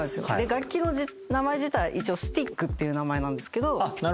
楽器の名前自体一応スティックっていう名前なんですけど。